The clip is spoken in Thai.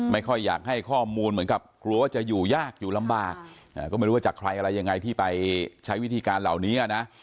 ไม่ค่อยอยากให้ข้อมูลเหมือนกับกลัวว่าจะอยู่ยากอยู่ลำบากก็ไม่รู้ว่าจากใครอะไรยังไงที่ไปใช้วิธีการเหล่านี้นะ